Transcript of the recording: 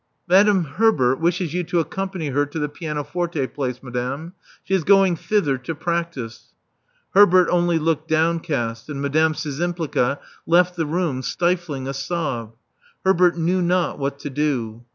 *' Madame Herbert wishes you to accompany her to the pianoforte place, madame. She is going thither to practise." Herbert only looked downcast; and Madame Szczympliga left the room stifling a sob. Herbert knew not what to do.